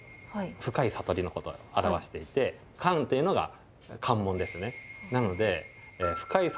深い悟りのことを表していて関っていうのが関門ですね。